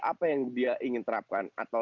apa yang dia ingin terapkan